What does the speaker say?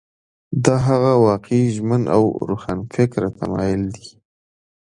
دا هغه واقعي ژمن او روښانفکره تمایل دی.